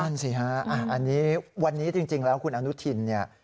สิฮะอันนี้วันนี้จริงแล้วคุณอนุทินเนี่ย